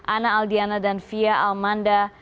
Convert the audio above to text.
ana aldiana dan fia almanda